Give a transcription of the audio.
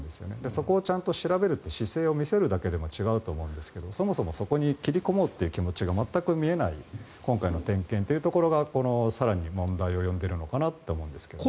そこをちゃんと調べる姿勢を見せるだけでも違うと思うんですけどそもそもそこに切り込もうとしていない今回の点検が更に問題を呼んでいるのかなと思うんですけど。